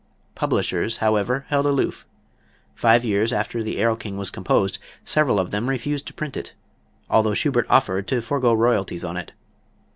Publishers, however, held aloof. Five years after the "Erlking" was composed, several of them refused to print it, although Schubert offered to forego royalties on it.